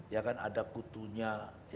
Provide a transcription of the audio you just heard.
ya kan ada putunya